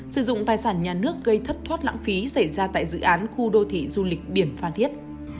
sử dụng tài sản nhà nước gây thất thoát lãng phí xảy ra tại dự án khu đô thị du lịch biển phan thiết